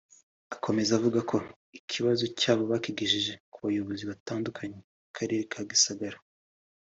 Bakomeza bavuga ko ikibazo cyabo bakigejeje ku bayobozi batandukanye b’Akarere ka Gisagara